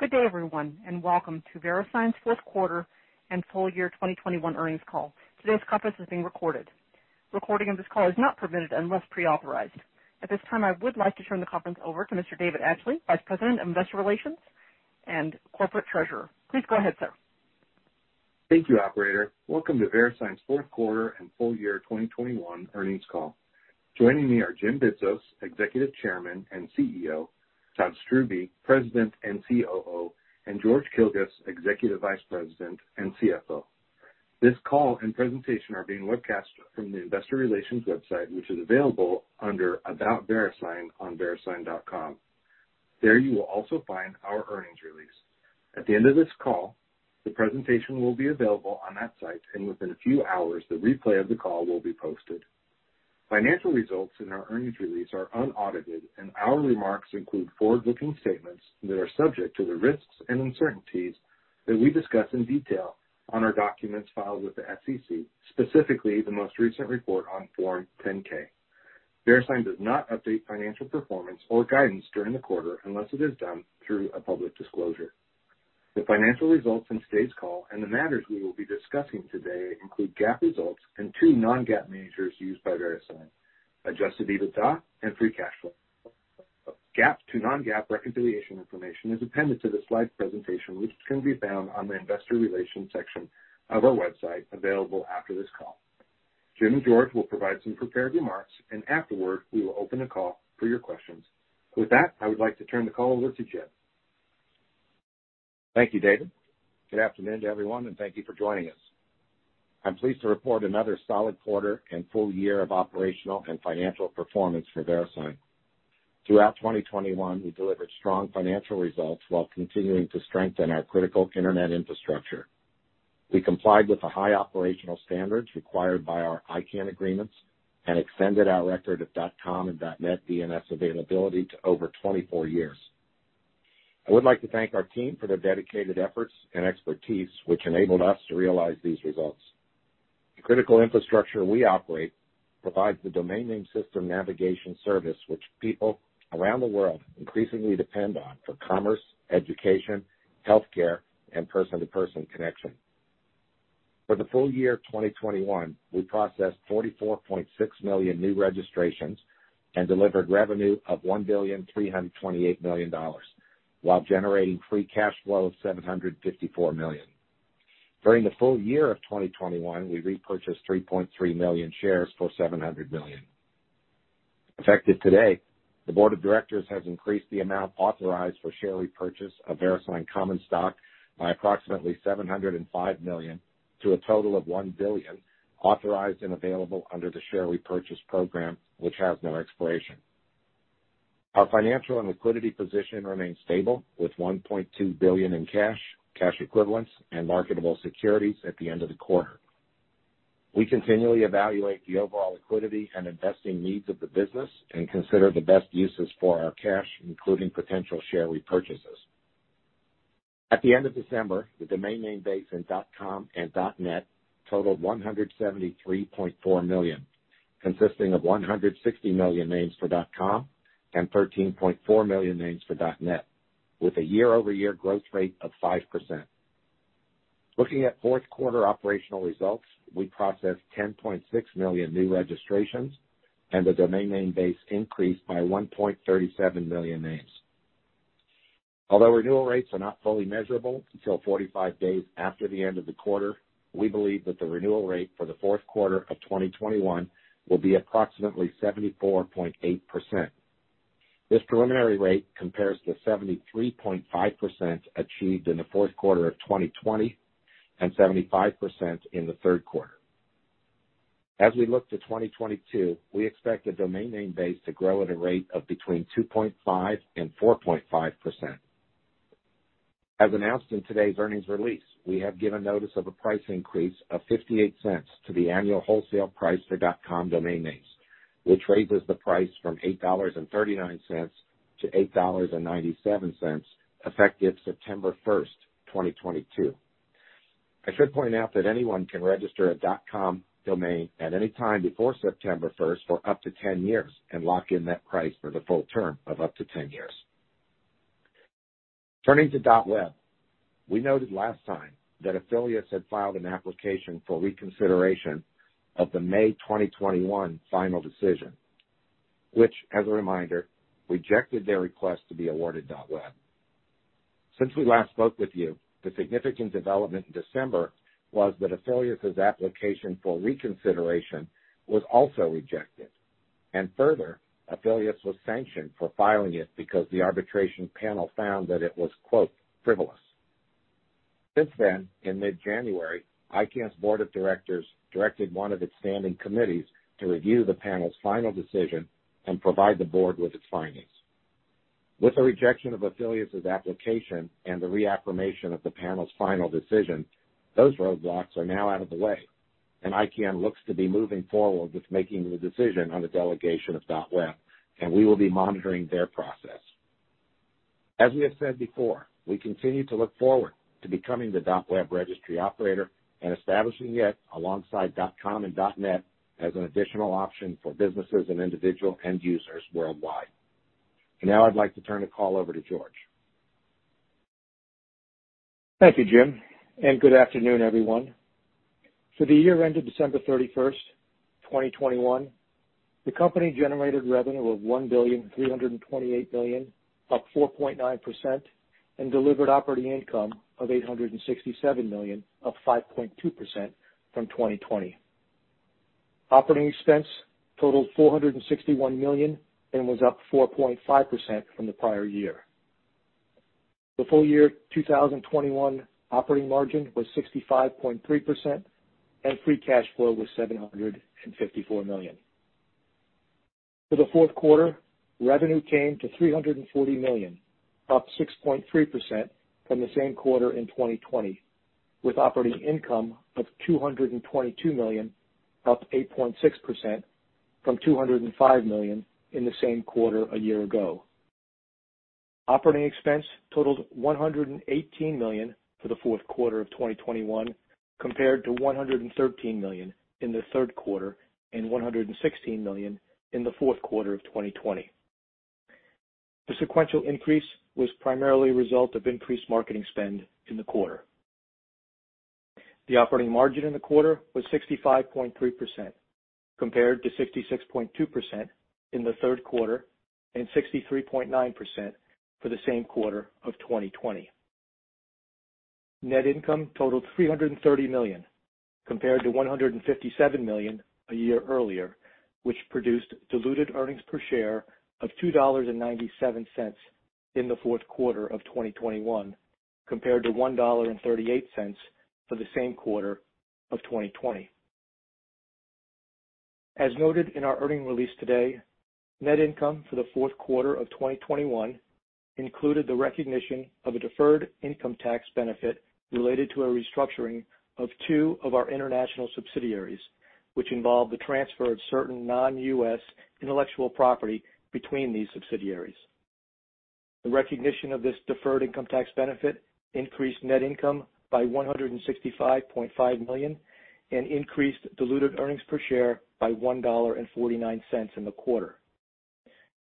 Good day, everyone, and welcome to VeriSign's Fourth Quarter and Full Year 2021 earnings call. Today's conference is being recorded. Recording of this call is not permitted unless pre-authorized. At this time, I would like to turn the conference over to Mr. David Atchley, Vice President of Investor Relations and Corporate Treasurer. Please go ahead, sir. Thank you, Operator. Welcome to VeriSign's Fourth Quarter and Full Year 2021 earnings call. Joining me are Jim Bidzos, Executive Chairman and CEO, Todd Strubbe, President and COO, and George Kilguss, Executive Vice President and CFO. This call and presentation are being webcast from the investor relations website, which is available under About VeriSign on verisign.com. There you will also find our earnings release. At the end of this call, the presentation will be available on that site, and within a few hours the replay of the call will be posted. Financial results in our earnings release are unaudited, and our remarks include forward-looking statements that are subject to the risks and uncertainties that we discuss in detail on our documents filed with the SEC, specifically the most recent report on Form 10-K. VeriSign does not update financial performance or guidance during the quarter unless it is done through a public disclosure. The financial results in today's call and the matters we will be discussing today include GAAP results and two non-GAAP measures used by VeriSign, adjusted EBITDA and free cash flow. GAAP to non-GAAP reconciliation information is appended to the slide presentation, which can be found on the investor relations section of our website available after this call. Jim and George will provide some prepared remarks, and afterward, we will open the call for your questions. With that, I would like to turn the call over to Jim. Thank you, David. Good afternoon to everyone, and thank you for joining us. I'm pleased to report another solid quarter and full year of operational and financial performance for VeriSign. Throughout 2021, we delivered strong financial results while continuing to strengthen our critical Internet Infrastructure. We complied with the high operational standards required by our ICANN agreements and extended our record of .com and .net DNS availability to over 24 years. I would like to thank our team for their dedicated efforts and expertise, which enabled us to realize these results. The critical infrastructure we operate provides the domain name system navigation service, which people around the world increasingly depend on for commerce, education, healthcare, and person-to-person connection. For the full year of 2021, we processed 44.6 million new registrations and delivered revenue of $1.328 billion, while generating free cash flow of $754 million. During the full year of 2021, we repurchased 3.3 million shares for $700 million. Effective today, the Board of Directors has increased the amount authorized for share repurchase of VeriSign common stock by approximately $705 million to a total of $1 billion authorized and available under the share repurchase program, which has no expiration. Our financial and liquidity position remains stable, with $1.2 billion in cash equivalents, and marketable securities at the end of the quarter. We continually evaluate the overall liquidity and investing needs of the business and consider the best uses for our cash, including potential share repurchases. At the end of December, the domain name base in .com and .net totaled 173.4 million, consisting of 160 million names for .com and 13.4 million names for .net, with a year-over-year growth rate of 5%. Looking at fourth quarter operational results, we processed 10.6 million new registrations, and the domain name base increased by 1.37 million names. Although renewal rates are not fully measurable until 45 days after the end of the quarter, we believe that the renewal rate for the fourth quarter of 2021 will be approximately 74.8%. This preliminary rate compares to 73.5% achieved in the fourth quarter of 2020 and 75% in the third quarter. As we look to 2022, we expect the domain name base to grow at a rate of between 2.5%-4.5%. As announced in today's earnings release, we have given notice of a price increase of $0.58 to the annual wholesale price for .com domain names, which raises the price from $8.39 to $8.97, effective September 1, 2022. I should point out that anyone can register a .com domain at any time before September 1 for up to 10 years and lock in that price for the full term of up to 10 years. Turning to .web, we noted last time that Afilias had filed an application for reconsideration of the May 2021 final decision, which, as a reminder, rejected their request to be awarded .web. Since we last spoke with you, the significant development in December was that Afilias's application for reconsideration was also rejected, and further, Afilias was sanctioned for filing it because the arbitration panel found that it was, quote, frivolous. Since then, in mid-January, ICANN's Board of Directors directed one of its standing committees to review the panel's final decision and provide the board with its findings. With the rejection of Afilias's application and the reaffirmation of the panel's final decision, those roadblocks are now out of the way, and ICANN looks to be moving forward with making the decision on the delegation of .web, and we will be monitoring their process. As we have said before, we continue to look forward to becoming the .web registry operator and establishing it alongside .com and .net as an additional option for businesses and individual end users worldwide. Now I'd like to turn the call over to George. Thank you, Jim, and good afternoon, everyone. For the year ended December 31, 2021, the company generated revenue of $1.328 billion, up 4.9%, and delivered operating income of $867 million, up 5.2% from 2020. Operating expense totaled $461 million and was up 4.5% from the prior year. The full year 2021 operating margin was 65.3%, and free cash flow was $754 million. For the fourth quarter, revenue came to $340 million, up 6.3% from the same quarter in 2020, with operating income of $222 million, up 8.6% from $205 million in the same quarter a year ago. Operating expense totaled $118 million for the fourth quarter of 2021 compared to $113 million in the third quarter and $116 million in the fourth quarter of 2020. The sequential increase was primarily a result of increased marketing spend in the quarter. The operating margin in the quarter was 65.3% compared to 66.2% in the third quarter and 63.9% for the same quarter of 2020. Net income totaled $330 million compared to $157 million a year earlier, which produced diluted earnings per share of $2.97 in the fourth quarter of 2021 compared to $1.38 for the same quarter of 2020. As noted in our earnings release today, net income for the fourth quarter of 2021 included the recognition of a deferred income tax benefit related to a restructuring of two of our international subsidiaries, which involved the transfer of certain non-U.S. intellectual property between these subsidiaries. The recognition of this deferred income tax benefit increased net income by $165.5 million and increased diluted earnings per share by $1.49 in the quarter.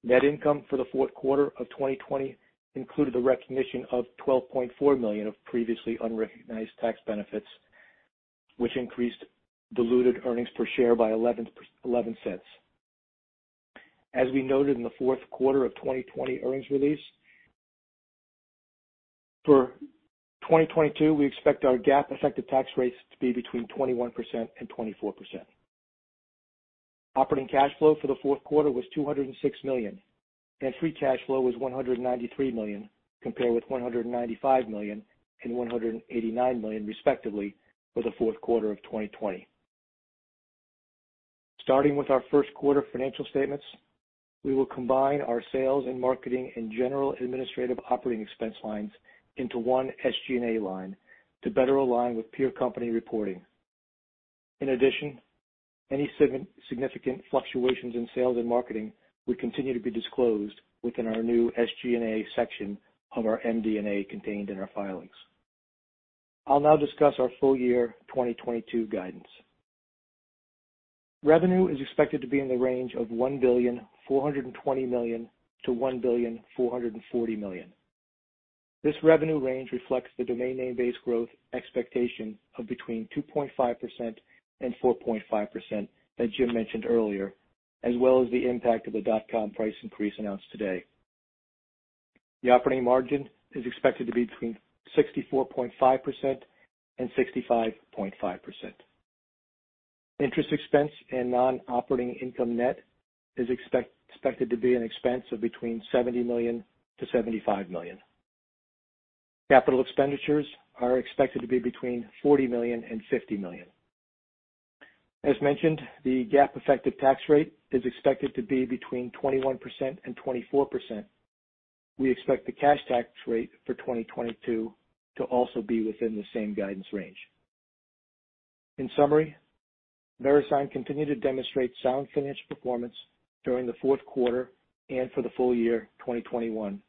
Net income for the fourth quarter of 2020 included the recognition of $12.4 million of previously unrecognized tax benefits, which increased diluted earnings per share by $0.11. As we noted in the fourth quarter of 2020 earnings release, for 2022, we expect our GAAP effective tax rates to be between 21% and 24%. Operating cash flow for the fourth quarter was $206 million, and free cash flow was $193 million compared with $195 million and $189 million, respectively, for the fourth quarter of 2020. Starting with our first quarter financial statements, we will combine our sales and marketing and general administrative operating expense lines into one SG&A line to better align with peer-company reporting. In addition, any significant fluctuations in sales and marketing will continue to be disclosed within our new SG&A section of our MD&A contained in our filings. I'll now discuss our full year 2022 guidance. Revenue is expected to be in the range of $1.42 billion-$1.44 billion. This revenue range reflects the domain name base growth expectation of between 2.5% and 4.5% that Jim mentioned earlier, as well as the impact of the .com price increase announced today. The operating margin is expected to be between 64.5% and 65.5%. Interest expense and non-operating income net is expected to be an expense of $70 million-$75 million. Capital expenditures are expected to be between $40 million and $50 million. As mentioned, the GAAP effective tax rate is expected to be between 21% and 24%. We expect the cash tax rate for 2022 to also be within the same guidance range. In summary, VeriSign continued to demonstrate sound financial performance during the fourth quarter and for the full year 2021,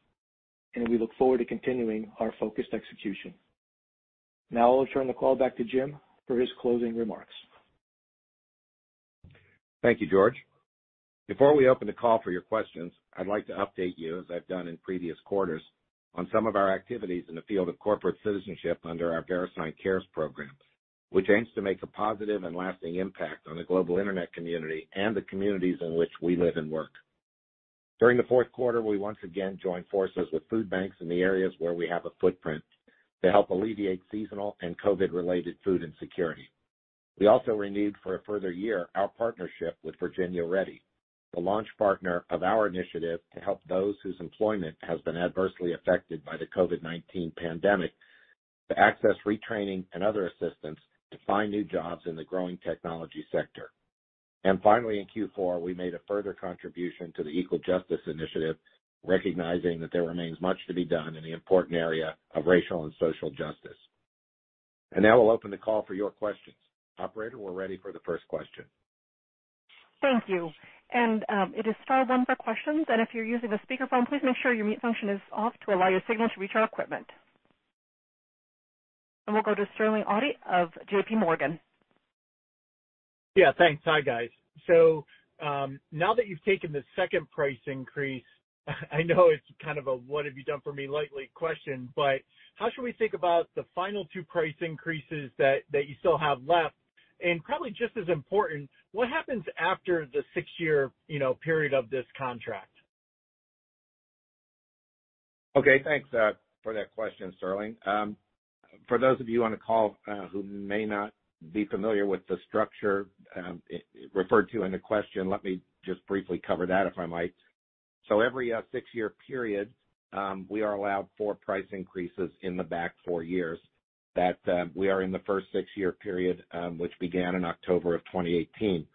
and we look forward to continuing our focused execution. Now I'll turn the call back to Jim for his closing remarks. Thank you, George. Before we open the call for your questions, I'd like to update you, as I've done in previous quarters, on some of our activities in the field of corporate citizenship under our VeriSign Cares program, which aims to make a positive and lasting impact on the global Internet community and the communities in which we live and work. During the fourth quarter, we once again joined forces with food banks in the areas where we have a footprint to help alleviate seasonal and COVID-related food insecurity. We also renewed for a further year our partnership with Virginia Ready, the launch partner of our initiative to help those whose employment has been adversely affected by the COVID-19 pandemic to access retraining and other assistance to find new jobs in the growing technology sector. Finally, in Q4, we made a further contribution to the Equal Justice Initiative, recognizing that there remains much to be done in the important area of racial and social justice. Now I'll open the call for your questions. Operator, we're ready for the first question. Thank you. It is star one for questions, and if you're using a speakerphone, please make sure your mute function is off to allow your signal to reach our equipment. We'll go to Sterling Auty of JPMorgan. Yeah, thanks. Hi, guys. Now that you've taken the second price increase, I know it's kind of a what-have-you-done-for-me-lately question, but how should we think about the final two price increases that you still have left? Probably just as important, what happens after the six year, you know, period of this contract? Okay, thanks for that question, Sterling. For those of you on the call who may not be familiar with the structure it referred to in the question, let me just briefly cover that, if I might. Every six-year period, we are allowed four price increases in the back four years that we are in the first six-year period, which began in October of 2018.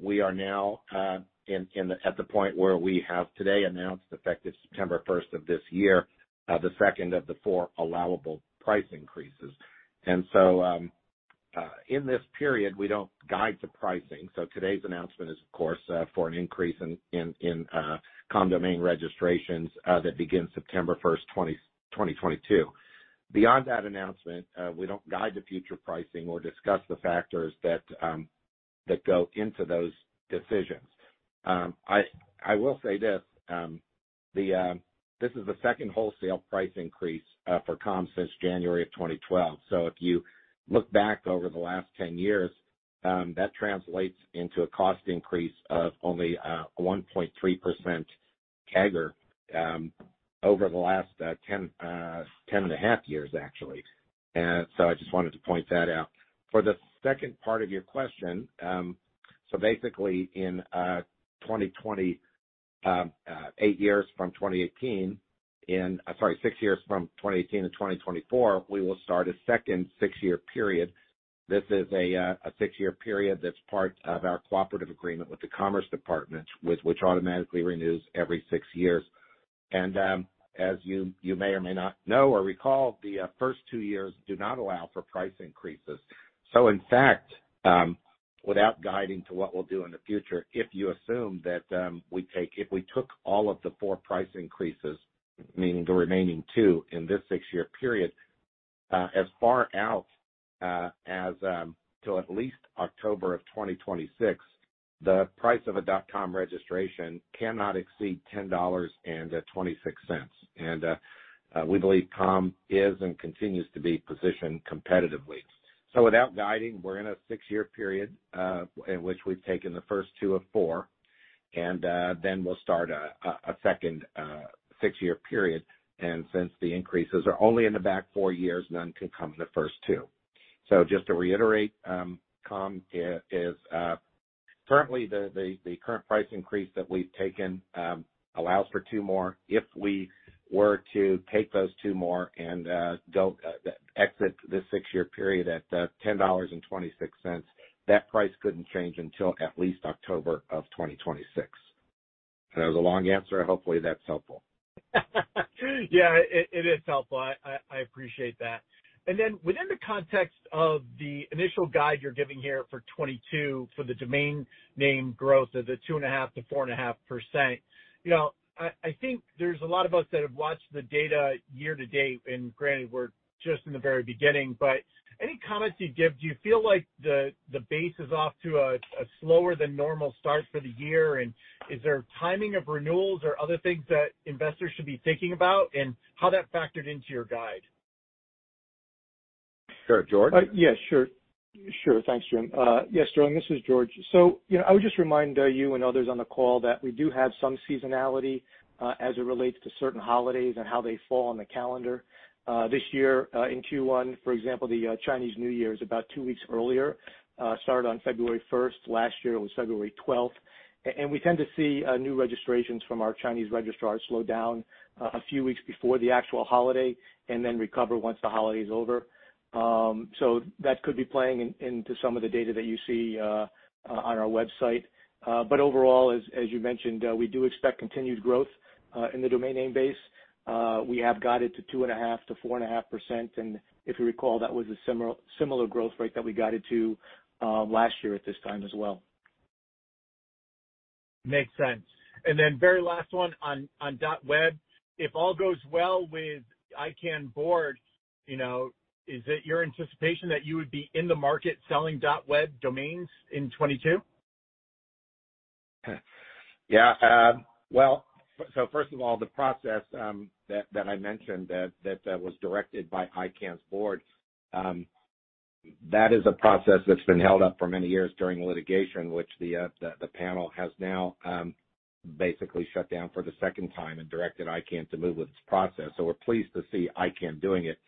We are now at the point where we have today announced, effective September 1 of this year, the second of the four allowable price increases. In this period, we don't guide to pricing. Today's announcement is, of course, for an increase in .com domain registrations that begin September 1, 2022. Beyond that announcement, we don't guide to future pricing or discuss the factors that go into those decisions. I will say this is the second wholesale price increase for .com since January 2012. If you look back over the last 10 years, that translates into a cost increase of only 1.3% CAGR over the last 10.5 years, actually. I just wanted to point that out. For the second part of your question, basically in 2020, six years from 2018 to 2024, we will start a second six-year period. This is a six-year period that's part of our cooperative agreement with the Commerce Department, which automatically renews every six years. As you may or may not know or recall, the first two years do not allow for price increases. In fact, without guiding to what we'll do in the future, if you assume that we took all of the four price increases, meaning the remaining two in this six-year period, as far out as till at least October of 2026, the price of a .com registration cannot exceed $10.26. We believe .com is and continues to be positioned competitively. Without guiding, we're in a six-year period in which we've taken the first two of four, and then we'll start a second six-year period. Since the increases are only in the back four years, none can come in the first two. Just to reiterate, .com is currently the current price increase that we've taken allows for two more. If we were to take those two more and go exit this six-year period at $10.26, that price couldn't change until at least October 2026. That was a long answer. Hopefully, that's helpful. Yeah, it is helpful. I appreciate that. Then within the context of the initial guide you're giving here for 2022 for the domain name growth of 2.5%-4.5%, you know, I think there's a lot of us that have watched the data year to date, and granted we're just in the very beginning, but any comments you'd give? Do you feel like the base is off to a slower than normal start for the year? And is there timing of renewals or other things that investors should be thinking about and how that factored into your guide? Sure. George? Yeah, sure. Thanks, Jim. Yes, Sterling, this is George. You know, I would just remind you and others on the call that we do have some seasonality as it relates to certain holidays and how they fall on the calendar. This year in Q1, for example, the Chinese New Year is about two weeks earlier, started on February 1st. Last year it was February 12th. And we tend to see new registrations from our Chinese registrars slow down a few weeks before the actual holiday and then recover once the holiday is over. That could be playing into some of the data that you see on our website. Overall as you mentioned, we do expect continued growth in the domain name base. We have guided to 2.5%-4.5%. If you recall, that was a similar growth rate that we guided to last year at this time as well. Makes sense. Very last one on .web. If all goes well with ICANN board, you know, is it your anticipation that you would be in the market selling .web domains in 2022? Yeah. Well, first of all, the process that I mentioned that was directed by ICANN's board, that is a process that's been held up for many years during litigation which the panel has now basically shut down for the second time and directed ICANN to move with its process. We're pleased to see ICANN doing it.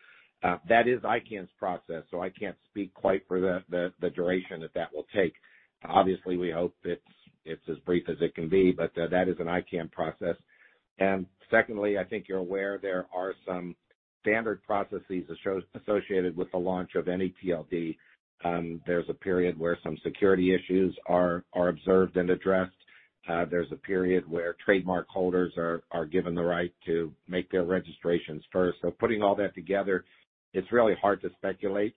That is ICANN's process, so I can't speak quite for the duration that will take. Obviously, we hope it's as brief as it can be, but that is an ICANN process. Secondly, I think you're aware there are some standard processes associated with the launch of any TLD. There's a period where some security issues are observed and addressed. There's a period where trademark holders are given the right to make their registrations first. Putting all that together, it's really hard to speculate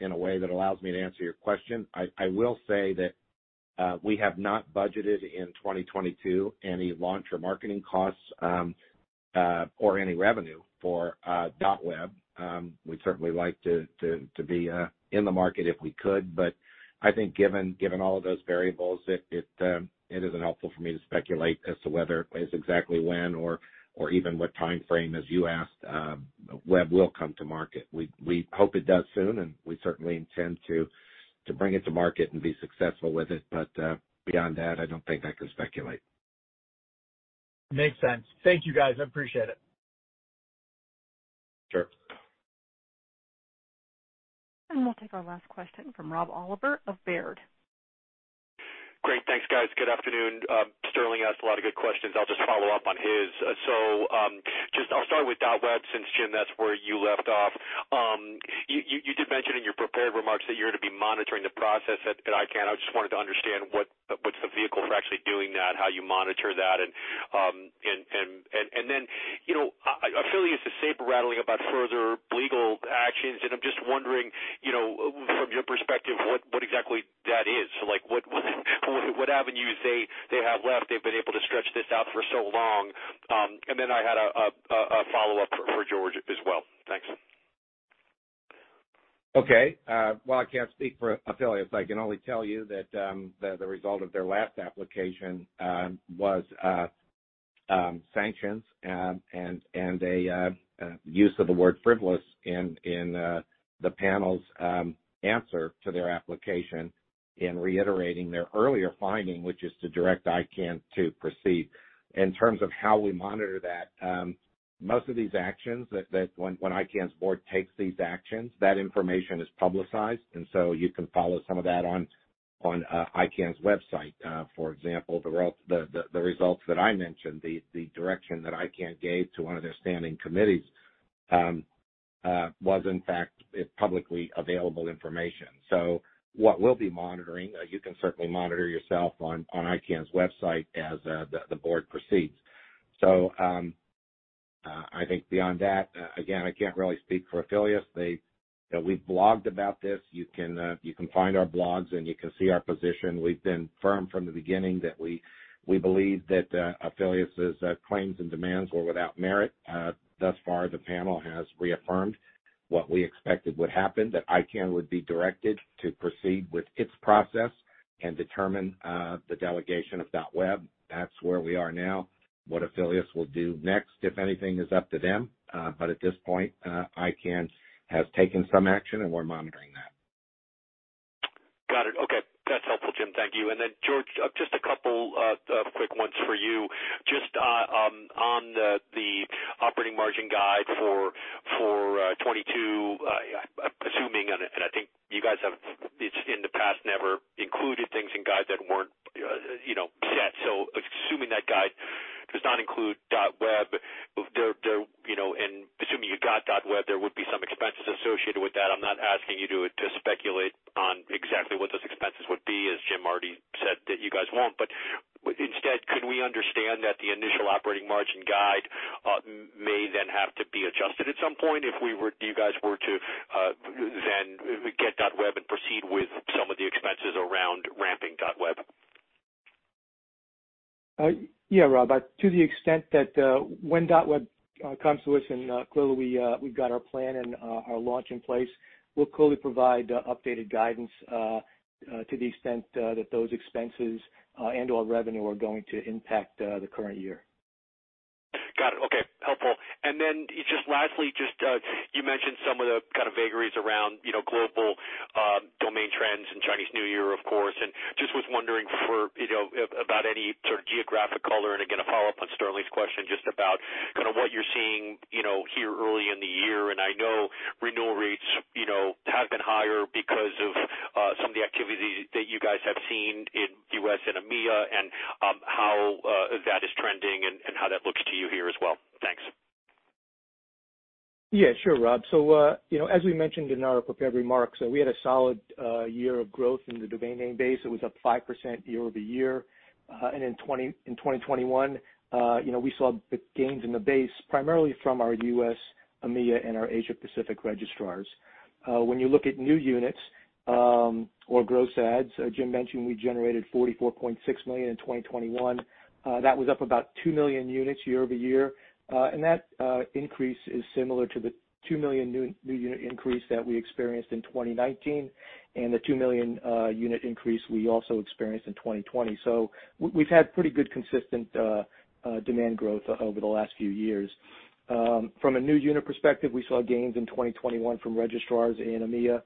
in a way that allows me to answer your question. I will say that we have not budgeted in 2022 any launch or marketing costs or any revenue for .web. We'd certainly like to be in the market if we could, but I think given all of those variables, it isn't helpful for me to speculate as to exactly when or even what timeframe, as you asked, .web will come to market. We hope it does soon, and we certainly intend to bring it to market and be successful with it. Beyond that, I don't think I can speculate. Makes sense. Thank you, guys. I appreciate it. Sure. We'll take our last question from Rob Oliver of Baird. Great. Thanks, guys. Good afternoon. Sterling asked a lot of good questions. I'll just follow up on his. Just I'll start with .web since, Jim, that's where you left off. You did mention in your prepared remarks that you're to be monitoring the process at ICANN. I just wanted to understand what's the vehicle for actually doing that, how you monitor that and then, you know, Afilias is saber-rattling about further legal actions, and I'm just wondering, you know, from your perspective, what exactly that is. Like, what avenues they have left, they've been able to stretch this out for so long. I had a follow-up for George as well. Thanks. Okay. While I can't speak for Afilias, I can only tell you that the result of their last application was sanctions and a use of the word frivolous in the panel's answer to their application in reiterating their earlier finding, which is to direct ICANN to proceed. In terms of how we monitor that, most of these actions that, when ICANN's board takes these actions, that information is publicized. You can follow some of that on ICANN's website. For example, the results that I mentioned, the direction that ICANN gave to one of their standing committees was in fact publicly available information. What we'll be monitoring, you can certainly monitor yourself on ICANN's website as the board proceeds. I think beyond that, again, I can't really speak for Afilias. We've blogged about this. You can find our blogs, and you can see our position. We've been firm from the beginning that we believe that Afilias's claims and demands were without merit. Thus far, the panel has reaffirmed what we expected would happen, that ICANN would be directed to proceed with its process and determine the delegation of .web. That's where we are now. What Afilias will do next, if anything, is up to them. But at this point, ICANN has taken some action and we're monitoring that. Got it. Okay. That's helpful, Jim. Thank you. Then, George, just a couple quick ones for you. Just on the operating margin guide for 2022, assuming and I think you guys have in the past never included things in guides that weren't you know set. Assuming that guide does not include .web, there you know and assuming you got .web, there would be some expenses associated with that. I'm not asking you to speculate on exactly what those expenses would be, as Jim already said that you guys won't. Instead, could we understand that the initial operating margin guide may then have to be adjusted at some point if you guys were to then get .web and proceed with some of the expenses around ramping .web? Yeah, Rob. To the extent that, when .web comes to us, and clearly we've got our plan and our launch in place, we'll clearly provide updated guidance, to the extent that those expenses and/or revenue are going to impact the current year. Got it. Okay. Helpful. Just lastly, you mentioned some of the kind of vagaries around, you know, global domain trends and Chinese New Year, of course. Just was wondering for, you know, about any sort of geographic color, and again, a follow-up on Sterling's question just about kind of what you're seeing, you know, here early in the year. I know renewal rates, you know, have been higher because of some of the activity that you guys have seen in U.S. and EMEA and how that is trending and how that looks to you here as well. Thanks. Yeah, sure, Rob. You know, as we mentioned in our prepared remarks, we had a solid year of growth in the domain name base. It was up 5% year-over-year. In 2021, you know, we saw gains in the base primarily from our U.S., EMEA, and our Asia Pacific registrars. When you look at new units or gross adds, as Jim mentioned, we generated 44.6 million in 2021. That was up about 2 million units year-over-year. That increase is similar to the 2 million new unit increase that we experienced in 2019 and the 2 million unit increase we also experienced in 2020. We've had pretty good consistent demand growth over the last few years. From a new unit perspective, we saw gains in 2021 from registrars in EMEA,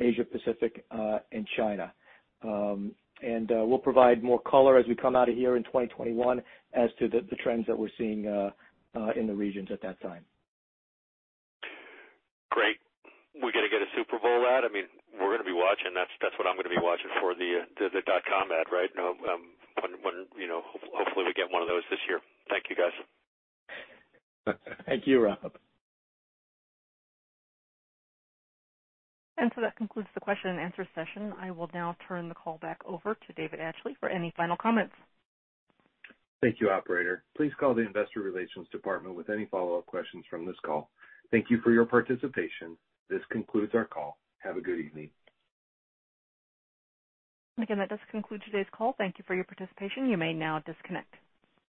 Asia Pacific, and China. We'll provide more color as we come out of here in 2021 as to the trends that we're seeing in the regions at that time. Great. We gonna get a Super Bowl ad? I mean, we're gonna be watching. That's what I'm gonna be watching for the .com ad, right? When you know, hopefully, we get one of those this year. Thank you, guys. Thank you, Rob. That concludes the question and answer session. I will now turn the call back over to David Atchley for any final comments. Thank you, operator. Please call the investor relations department with any follow-up questions from this call. Thank you for your participation. This concludes our call. Have a good evening. Again, that does conclude today's call. Thank you for your participation. You may now disconnect.